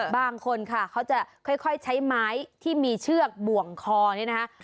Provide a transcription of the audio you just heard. บางคนค่ะเขาจะค่อยใช้ไม้ที่มีเชือกบ่วงคอนี่นะคะ